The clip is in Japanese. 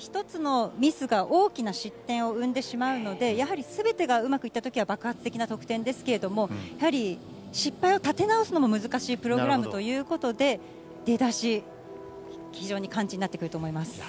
１つのミスが大きな失点を生んでしまうので、やはりすべてがうまくいったときには爆発的な得点ですけれども、やはり失敗を立て直すのも難しいプログラムということで、出だし、非常に肝心になってくると思います。